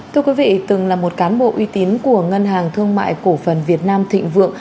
thưa quý vị từng là một cán bộ uy tín của ngân hàng thương mại cổ phần việt nam thịnh vượng